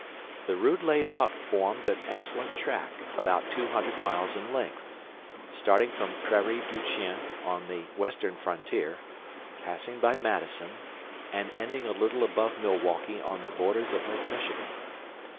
The route laid out formed an excellent track, about two hundred miles in length, starting from Prairie du chien on the western frontier, passing by Madison and ending a little above Milwaukee on the borders of Lake Michigan.